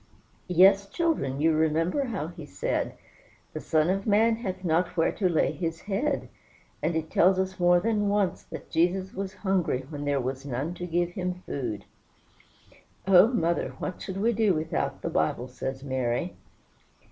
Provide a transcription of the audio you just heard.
"Yes, children; you remember how he said, 'The Son of man hath not where to lay his head.' And it tells us more than once that Jesus was hungry when there was none to give him food." "Oh, mother, what should we do without the Bible?" says Mary.